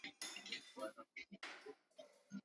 huko Fergana Waturuki wengi wa Meskhetian walilazimika